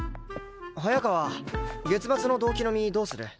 早川月末の同期飲みどうする？